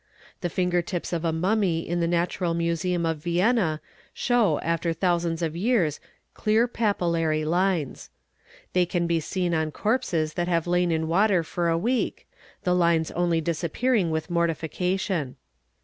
The finger tips of a mummy in the Natural Museum of Vienna show afte thousands of years clear papillary lines. They can be seen on corpse that have lain in water for a week, the lines only disappearing wit. mortification.